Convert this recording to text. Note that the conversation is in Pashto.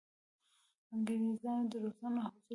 انګریزانو د روسانو حضور پلمه کړ.